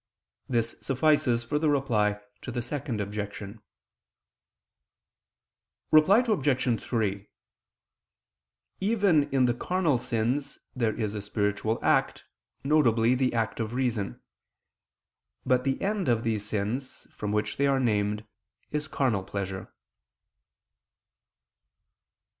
This suffices for the Reply to the Second Objection. Reply Obj. 3: Even in the carnal sins there is a spiritual act, viz. the act of reason: but the end of these sins, from which they are named, is carnal pleasure.